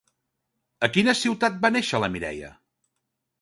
A quina ciutat va néixer la Mireia?